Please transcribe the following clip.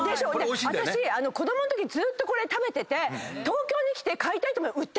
私子供のときずーっとこれ食べてて東京来て買いたいと思ったら。